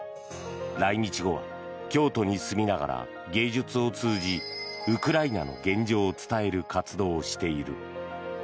来日後は京都に住みながら芸術を通じウクライナの現状を伝える活動をしている。